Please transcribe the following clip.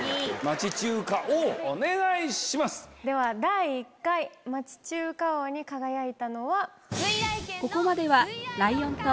第１回町中華王に輝いたのは。